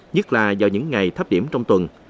nhất là vào những ngày thấp điểm trong tuần